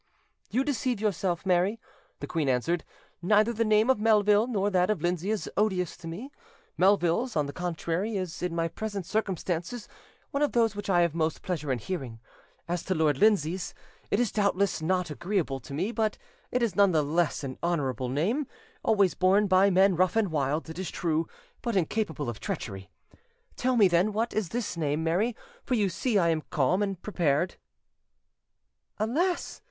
"You deceive yourself, Mary," the queen answered: "neither the name of Melville nor that of Lindsay is odious to me. Melville's, on the contrary, is, in my present circumstances, one of those which I have most pleasure in hearing; as to Lord Lindsay's, it is doubtless not agreeable to me, but it is none the less an honourable name, always borne by men rough and wild, it is true, but incapable of treachery. Tell me, then, what is this name, Mary; for you see I am calm and prepared." "Alas!